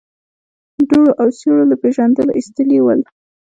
دوړو او سيورو له پېژندلو ايستلي ول.